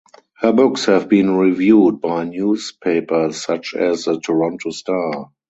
Her books have been reviewed by newspapers such as the "Toronto Star".